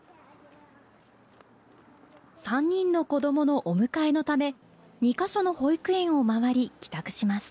３人の子どものお迎えのため２カ所の保育園を回り帰宅します。